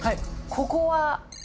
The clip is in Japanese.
ここは。